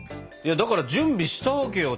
だから準備したわけよ。